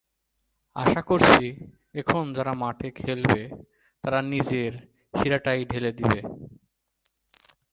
আশা করছি, এখন যারা মাঠে খেলবে, তারা নিজের সেরাটাই ঢেলে দেবে।